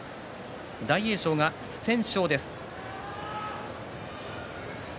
大栄翔が不戦勝です。